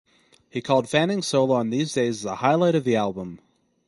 He called Fanning's solo on "These Days" the highlight of the album.